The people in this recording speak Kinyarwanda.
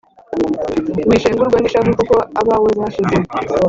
Wishengurwa n'ishavu Kuko abawe bashize